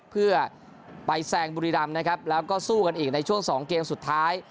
เพื่อไปแซงบุรีรำนะครับแล้วก็สู้กันอีกในช่วงสองเกมสุดท้าย